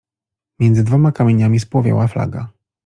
Między dwoma kamieniami spłowiała flaga.